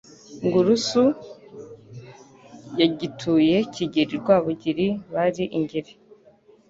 NGURUSU yagituye Kigeli Rwabugiri bari i Ngeli,